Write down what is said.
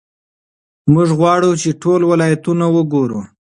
موږ غواړو چې ټول ولایتونه وګورو.